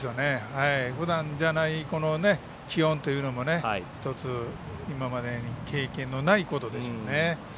ふだんじゃない気温というのも１つ、今までに経験のないことでしょうね。